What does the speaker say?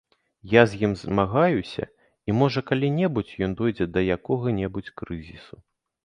Я з ім змагаюся, і, можа, калі-небудзь ён дойдзе да якога-небудзь крызісу.